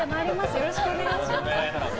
よろしくお願いします。